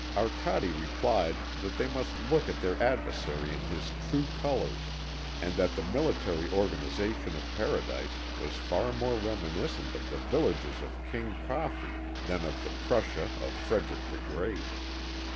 Arcade replied that they must look at their adversary in his true colours, and that the military organisation of Paradise was far more reminiscent of the villages of King Koffee than of the Prussia of Frederick the Great.